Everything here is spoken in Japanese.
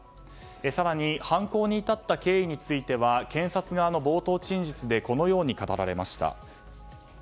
更に、犯行に至った経緯については検察側の冒頭陳述でこのように語られました。